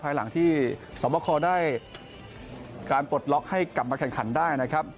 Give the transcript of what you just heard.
ภายหลังที่สวบคอได้การปลดล็อกให้กลับมาแข่งขันได้นะครับ